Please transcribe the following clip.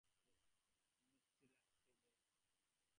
মিষ্টি লাগছে বেশ।